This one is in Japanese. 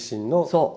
そう。